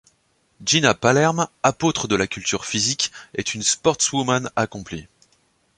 Gina Palerme, apôtre de la culture physique, est une sportswoman accomplie.